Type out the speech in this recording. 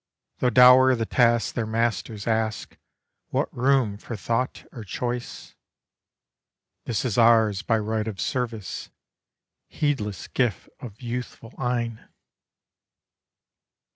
Though dour the task their masters ask, what room for thought or choice? This is ours by right of service, heedless gift of youthful eyne!